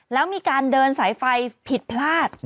แล้วมีการเดินสายไฟผิดพลาด